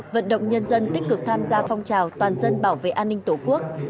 vận động nhân dân tích cực tham gia phong trào toàn dân bảo vệ an ninh tổ quốc